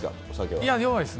お酒は。